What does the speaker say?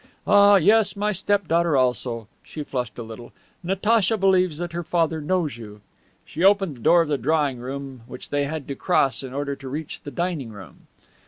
Ah, yes, my step daughter also" she flushed a little "Natacha believes that her father knows you." She opened the door of the drawing room, which they had to cross in order to reach the dining room.